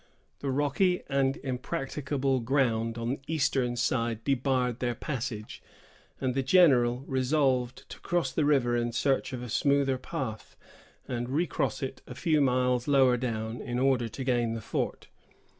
The rocky and impracticable ground on the eastern side debarred their passage, and the general resolved to cross the river in search of a smoother path, and recross it a few miles lower down, in order to gain the fort.